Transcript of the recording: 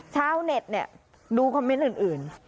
ชาวเน็ตเนี่ยดูคอมเมนต์อื่น